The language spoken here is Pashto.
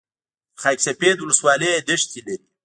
د خاک سفید ولسوالۍ دښتې لري